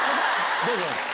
どうぞ。